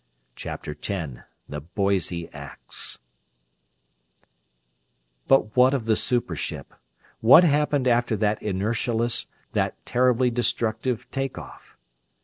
CHAPTER X The Boise Acts But what of the super ship? What happened after that inertialess, that terribly destructive take off?